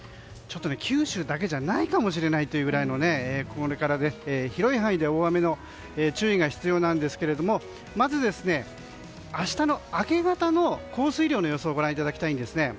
九州だけじゃないかもしれないというこれからで広い範囲で大雨の注意が必要なんですがまず、明日の明け方の降水量の予想をご覧ください。